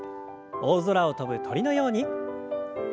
大空を飛ぶ鳥のように。